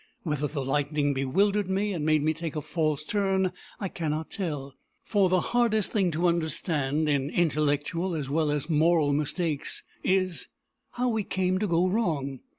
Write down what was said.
Whether the lightning bewildered me and made me take a false turn, I cannot tell; for the hardest thing to understand, in intellectual as well as moral mistakes, is how we came to go wrong.